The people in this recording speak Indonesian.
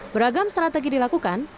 beragam strategi dilakukan